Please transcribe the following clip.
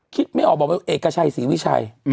ไม่ออกบอกเป็นเอกชัยศรีวิชัย